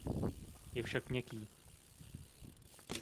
Je však měkký.